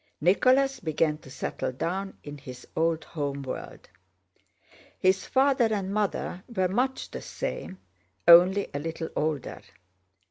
—Nicholas began to settle down in his old home world. His father and mother were much the same, only a little older.